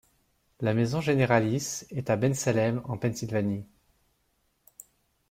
La maison généralice est à Bensalem en Pennsylvanie.